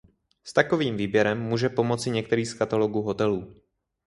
S takovým výběrem může pomoci některý z katalogu hotelů.